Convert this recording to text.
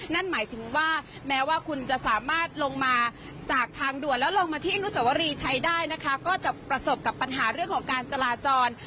นั่นหมายถึงว่าแม้ว่าคุณจะสามารถลงมาจากทางด่วนแล้วลงมาที่อนุสวรีชัยได้นะคะก็จะประสบกับปัญหาเรื่องของการจราจร